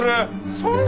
そんな！